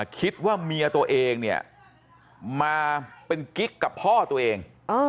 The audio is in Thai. คิดว่าเมียตัวเองเนี่ยมาเป็นกิ๊กกับพ่อตัวเอง